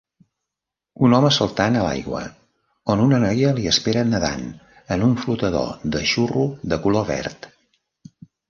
Un home saltant a l'aigua, on una noia li espera nedant en un flotador de xurro de color verd.